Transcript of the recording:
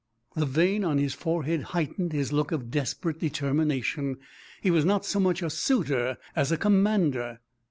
The vein on his forehead heightened his look of desperate determination. He was not so much a suitor as a commander.